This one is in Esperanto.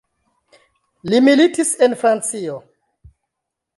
Li militis en Francio.